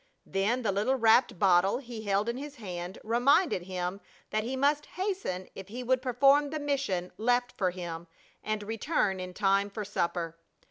Then the little wrapped bottle he held in his hand reminded him that he must hasten if he would perform the mission left for him and return in time for supper.